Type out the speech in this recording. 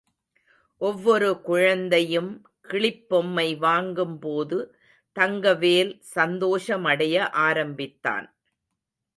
ஒவ்வொரு குழந்தையும் கிளிப்பொம்மை வாங்கும் போது தங்கவேல் சந்தோஷமடைய ஆரம்பித்தான்.